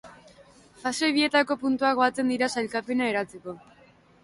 Fase bietako puntuak batzen dira sailkapena eratzeko.